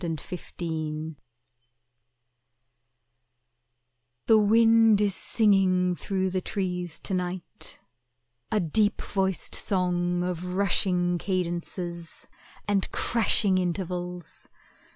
At Night The wind is singing through the trees to night, A deep voiced song of rushing cadences And crashing intervals.